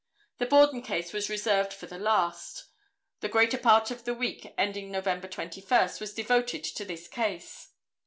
The Borden case was reserved for the last. The greater part of the week ending November 21st, was devoted to this case.